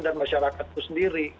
dan masyarakat itu sendiri